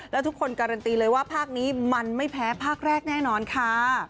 แล้วทุกคนการันตีเลยว่าภาคนี้มันไม่แพ้ภาคแรกแน่นอนค่ะ